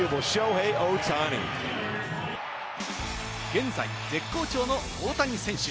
現在、絶好調の大谷選手。